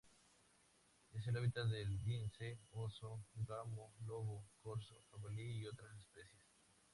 Es el hábitat del lince, oso, gamo, lobo, corzo, jabalí y otras especies.